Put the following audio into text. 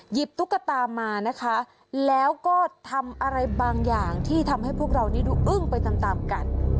ตุ๊กตามานะคะแล้วก็ทำอะไรบางอย่างที่ทำให้พวกเรานี้ดูอึ้งไปตามตามกัน